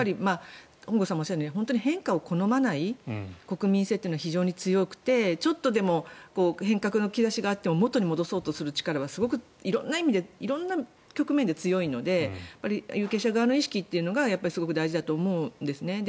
本郷さんもおっしゃるように本当に変化を好まない国民性というのが非常に強くてちょっとでも変革の兆しがあっても元に戻そうとする力はすごく色んな局面で強いので有権者側の意識はすごく大事だと思うんですね。